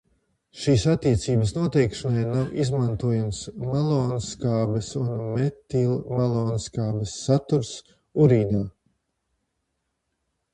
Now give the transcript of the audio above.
Šīs attiecības noteikšanai nav izmantojams malonskābes un metilmalonskābes saturs urīnā.